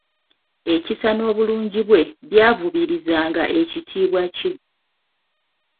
Ekisa n'obulungi bwe byavubirizanga ekitiibwa kye.